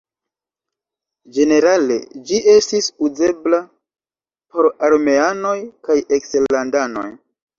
Ĝenerale ĝi estis uzebla por armeanoj kaj eksterlandanoj.